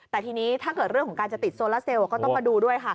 แต่ทีนี้ถ้าเกิดเรื่องของการจะติดโซลาเซลก็ต้องมาดูด้วยค่ะ